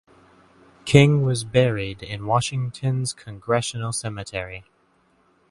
King was buried in Washington's Congressional Cemetery.